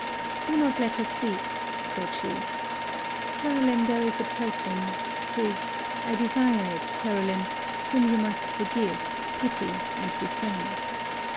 'Do not let us weep,' said she, 'Caroline, there is a person 'tis, I desire it, Caroline whom you must forgive, pity, and befriend.